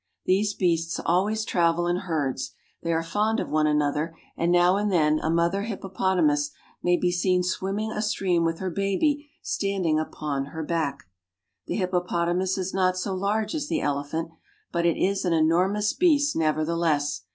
These beasts always travel in herds ; they are fond of one another, and now and then a mother hippo potamus may be seen swimming a stream with her baby standing upon her back. The hippopotamus is not so large as the elephant, but it is an enormous beast nevertheless.